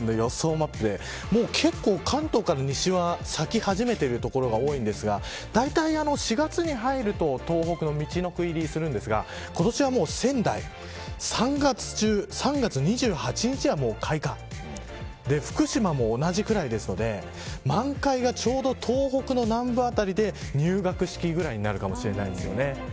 マップで結構、関東から西は咲き始めている所が多いんですがだいたい、４月に入ると東北もみちのく入りするんですが今年は仙台、３月中３月２８日が、もう開花福島も同じくらいなので満開がちょうど東北の南部辺りで入学式ぐらいになるかもしれません。